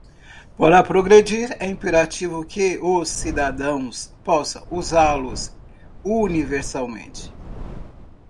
Para progredir, é imperativo que os cidadãos possam usá-los universalmente.